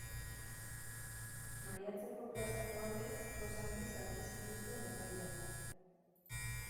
Maiatzeko Plazako Amek poz handiz hartu zituzten epaiak.